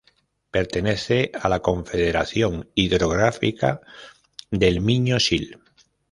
Pertenece a la Confederación Hidrográfica del Miño-Sil.